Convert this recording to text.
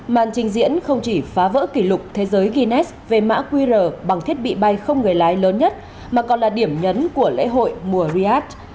màn trình diễn không chỉ phá vỡ kỷ lục thế giới guinness về mã qr bằng thiết bị bay không người lái lớn nhất mà còn là điểm nhấn của lễ hội mùa riyadh